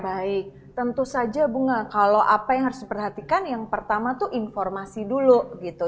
baik tentu saja bunga kalau apa yang harus diperhatikan yang pertama tuh informasi dulu gitu